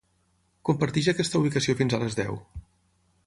Comparteix aquesta ubicació fins a les deu.